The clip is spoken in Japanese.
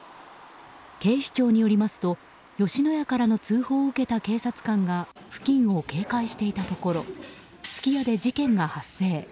警視庁によりますと吉野家からの通報を受けた警察官が付近を警戒していたところすき家で事件が発生。